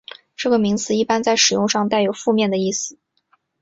这个名词一般在使用上带有负面的意思。